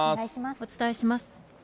お伝えします。